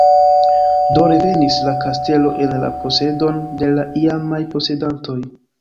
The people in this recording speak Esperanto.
Do revenis la kastelo en la posedon de la iamaj posedantoj.